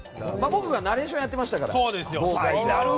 僕がナレーションをやってましたから。